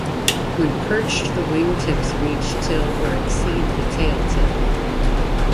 When perched the wing tips reach till or exceed the tail tip.